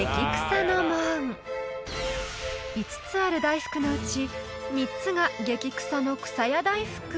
［５つある大福のうち３つが激クサのくさや大福］